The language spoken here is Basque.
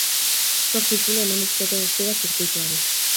Zortzi itzuli eman dizkiote guztira zirkuituari.